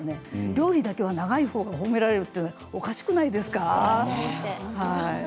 料理だけ長いと褒められるっていうのは、おかしくないですか。